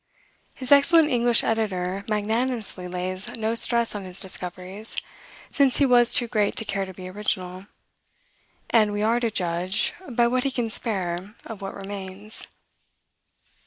His excellent English editor magnanimously lays no stress on his discoveries, since he was too great to care to be original; and we are to judge, by what he can spare, of what remains.